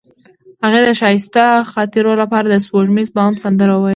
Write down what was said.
هغې د ښایسته خاطرو لپاره د سپوږمیز بام سندره ویله.